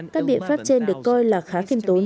các biện pháp trên được coi là khá khiêm tốn